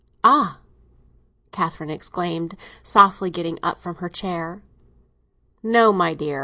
"Ah!" Catherine exclaimed softly, getting up from her chair. "No, my dear.